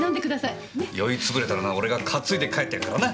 酔いつぶれたらな俺が担いで帰ってやるからな。